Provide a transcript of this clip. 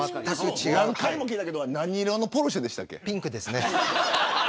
何回も聞きましたけど何色のポルシェでしたっけ。